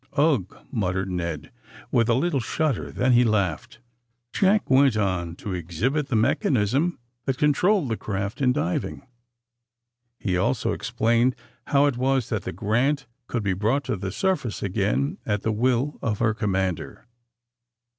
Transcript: "Ugh!" muttered Ned, with a little shudder. Then he laughed. Jack went on to exhibit the mechanism that controlled the craft in diving. He also ex plained how it was that the "Grant" could be brought to the surface again at the will of her commander.